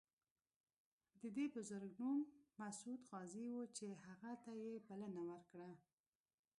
د دې بزرګ نوم مسعود غازي و چې هغه ته یې بلنه ورکړه.